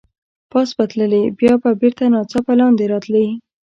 پاس به تللې، بیا به بېرته ناڅاپه لاندې راتلې.